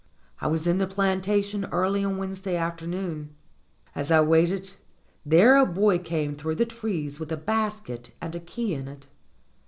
I was in the plantation early on Wednesday after noon. As I waited there a boy came through the trees with a basket and a key in it.